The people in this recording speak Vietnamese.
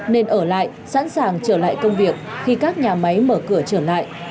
nên ở lại sẵn sàng trở lại công việc khi các nhà máy mở cửa trở lại